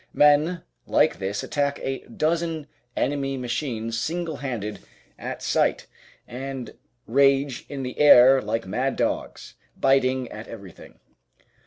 Men like this attack a dozen enemy machines single handed at sight, and rage in the air like mad dogs, biting at everything.